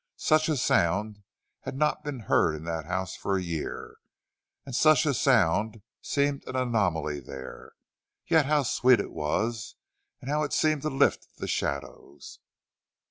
Such a sound had not been heard in that house for a year; such a sound seemed an anomaly there. Yet how sweet it was, and how it seemed to lift the shadows.